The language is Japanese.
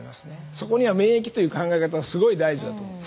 そこには免疫という考え方はすごい大事だと思います。